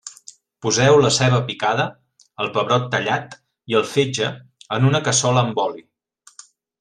Poseu la ceba picada, el pebrot tallat i el fetge en una cassola amb oli.